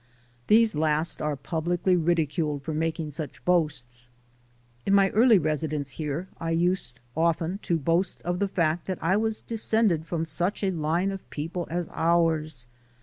These last are publicly ridiculed for making such boasts. In my early residence here, I used often to boast of the fact that I was descended from such a line of people as ours.